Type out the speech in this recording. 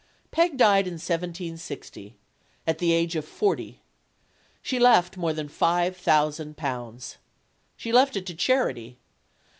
Peg died in 1 760, at the age of forty. She left more than five thousand pounds. She left it to charity.